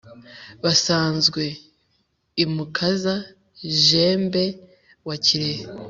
basanzwe i mukaza-jembe wa kirehe,